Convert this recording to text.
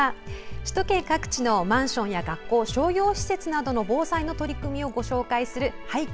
首都圏各地のマンションや学校、商業施設などの防災の取り組みをご紹介する「拝見！